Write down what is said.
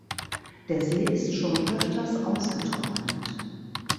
Der See ist schon öfters ausgetrocknet.